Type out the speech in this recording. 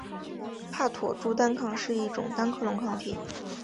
帕妥珠单抗是一种单克隆抗体。